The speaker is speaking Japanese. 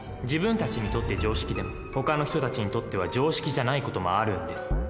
自分たちにとって常識でもほかの人たちにとっては常識じゃない事もあるんです。